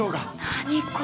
何これ。